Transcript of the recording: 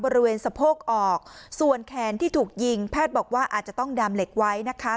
บริเวณสะโพกออกส่วนแขนที่ถูกยิงแพทย์บอกว่าอาจจะต้องดำเหล็กไว้นะคะ